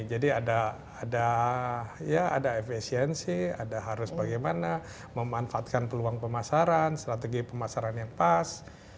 jadi ada ya ada efisiensi ada harus bagaimana memanfaatkan peluang pemasaran strategi pemasaran yang pas